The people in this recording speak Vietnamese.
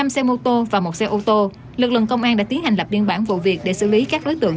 năm xe mô tô và một xe ô tô lực lượng công an đã tiến hành lập biên bản vụ việc để xử lý các đối tượng